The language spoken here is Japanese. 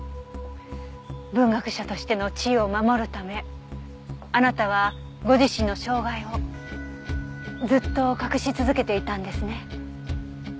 文学者としての地位を守るためあなたはご自身の障害をずっと隠し続けていたんですね。